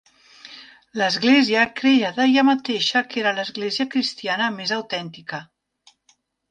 L'església creia d'ella mateixa que era l'església cristiana més autèntica.